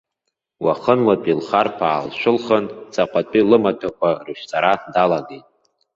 Уахынлатәи лхарԥ аалшәылхын, ҵаҟатәи лымаҭәақәа рышәҵара далагеит.